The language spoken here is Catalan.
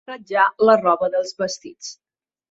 Ratllar la roba dels vestits.